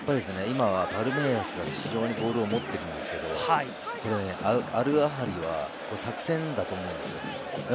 今はパルメイラスが非常にボールを持っているんですけど、アルアハリは作戦だと思うんですよ。